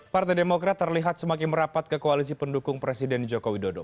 partai demokrat terlihat semakin merapat ke koalisi pendukung presiden joko widodo